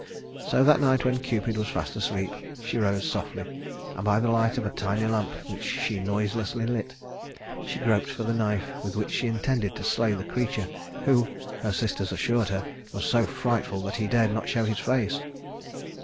So that night when Cupid was fast asleep, she rose softly, and by the light of a tiny lamp which she noiselessly lit, she groped for the knife with which she intended to slay the creature who her sisters assured her was so frightful that he dared not show his face.